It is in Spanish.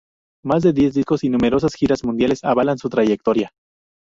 Más de diez discos y numerosas giras mundiales avalan su trayectoria.